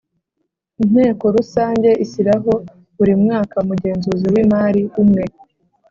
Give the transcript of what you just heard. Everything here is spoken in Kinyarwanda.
Inteko Rusange ishyiraho buri mwaka umugenzuzi w imari umwe